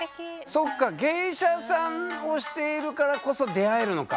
そっか芸者さんをしているからこそ出会えるのか。